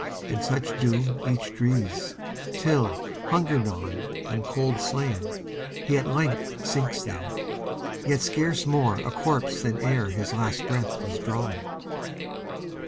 And such doom each drees, Till, hunger gnawn, And cold slain, he at length sinks there, Yet scarce more a corpse than ereHis last breath was drawn.